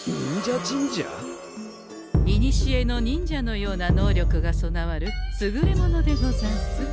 いにしえの忍者のような能力が備わるすぐれものでござんす。